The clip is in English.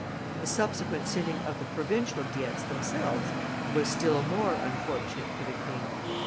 The subsequent sitting of the Provincial Diets themselves was still more unfortunate for the King.